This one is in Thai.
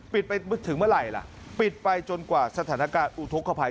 ปิดไปถึงเมื่อไหร่ล่ะปิดไปจนกว่าสถานการณ์อุทธกภัย